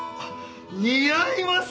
似合います